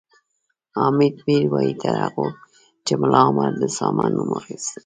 حامد میر وایي تر هغو چې ملا عمر د اسامه نوم اخیست